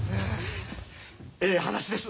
ええ話です。